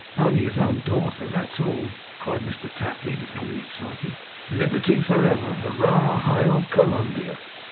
Only his own daughter; that's all!' cried Mr Tapley, becoming excited. 'Liberty for ever! Hurrah! Hail, Columbia!